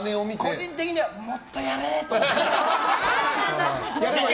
個人的にはもっとやれって思って。